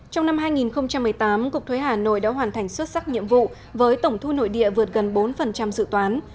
trong năm hai nghìn một mươi tám cục thuế hà nội đã hoàn thành xuất sắc nhiệm vụ với tổng thu nội địa vượt gần bốn dự toán